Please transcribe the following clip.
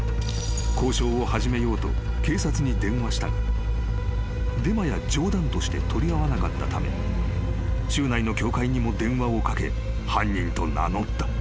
［「交渉を始めようと警察に電話したがデマや冗談として取り合わなかったため州内の教会にも電話をかけ犯人と名乗った」］